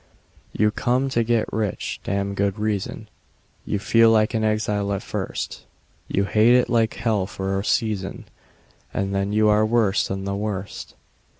You come to get rich (damned good reason); You feel like an exile at first; You hate it like hell for a season, And then you are worse than the worst.